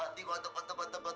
soalnya ini kadang mampus tuh wak